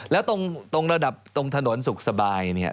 แล้วตรงระดับตรงถนนสุขสบายเนี่ย